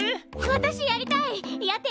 私やりたい！